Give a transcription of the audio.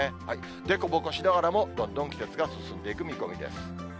でこぼこしながらもどんどん季節が進んでいく見込みです。